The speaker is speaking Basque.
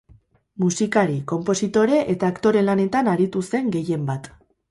Musikari, konpositore eta aktore lanetan aritu zen gehienbat.